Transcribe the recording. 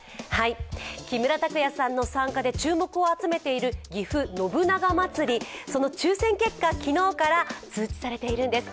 木村拓哉さんの参加で注目を集めている、ぎふ信長まつり、その抽選結果、昨日から通知されているんです。